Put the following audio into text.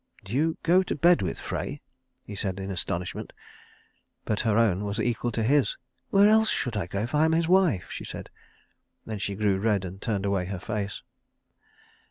"Do you go to bed with Frey?" he said in astonishment; but her own was equal to his. "Where else should I go if I am his wife?" she said. Then she grew red and turned away her face.